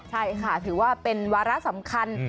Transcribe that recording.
ใช่ค่ะถือว่าเป็นวาระสำคัญ